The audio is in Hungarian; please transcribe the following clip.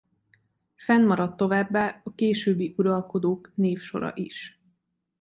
Fennmaradt továbbá a későbbi uralkodók névsora is.